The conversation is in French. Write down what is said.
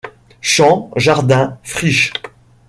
Champs, jardins, friches...